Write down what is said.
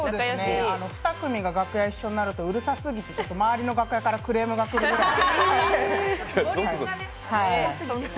２組が楽屋一緒になるとうるさすぎて、周りの楽屋からクレームが来る感じです。